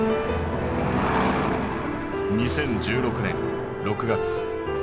２０１６年６月